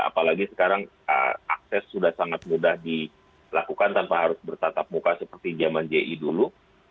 apalagi sekarang akses sudah sangat mudah dilakukan tanpa harus bertatap muka seperti zaman ji dulu